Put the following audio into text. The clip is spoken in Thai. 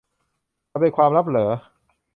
มันเป็นความลับหรอ